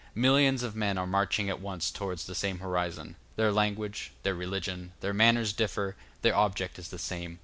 Millions of men are marching at once towards the same horizon; their language, their religion, their manners differ, their object is the same.